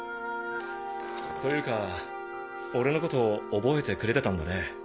というか俺のこと覚えてくれてたんだね。